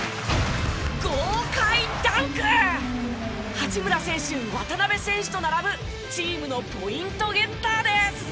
八村選手渡邊選手と並ぶチームのポイントゲッターです。